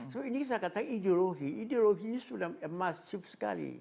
jadi ini bisa kita katakan ideologi ideologi ini sudah emas cepat sekali